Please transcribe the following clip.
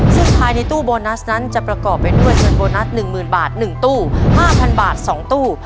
ซึ่งภายในตู้โบนัสนั้นจะประกอบไปด้วยเงินโบนัส๑๐๐๐บาท๑ตู้๕๐๐บาท๒ตู้